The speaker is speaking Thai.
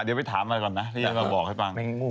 เดี๋ยวไปถามอะไรก่อนนะที่อยากมาบอกให้ฟัง